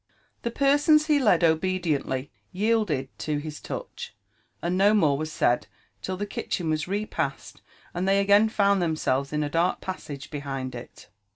The persons he led obediently yielded 4o his touch, and no more was said till the kitchen was repassed and they again, found themselves in the dark passage behind it.